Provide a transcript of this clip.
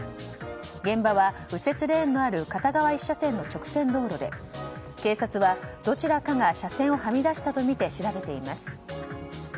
現場は右折レーンのある片側１車線の直線道路で警察は、どちらかが車線をはみ出したとみて調べています。